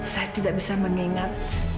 saya tidak bisa mengingat